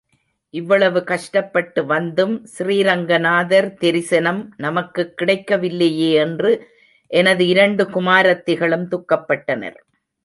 இவ்வளவு கஷ்டப்பட்டு வந்தும், ஸ்ரீரங்கநாதர் தெரிசனம் நமக்குக் கிடைக்கவில்லையே என்று எனது இரண்டு குமாரத்திகளும் துக்கப்பட்டனர்.